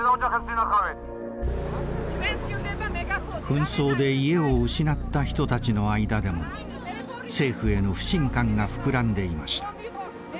紛争で家を失った人たちの間でも政府への不信感が膨らんでいました。